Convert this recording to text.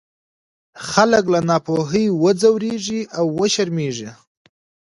خلک له ناپوهۍ وځورېږي او وشرمېږي.